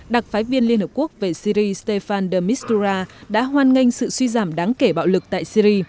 đặc phái viên liên hợp quốc về syri stefan de mistrora đã hoan nghênh sự suy giảm đáng kể bạo lực tại syri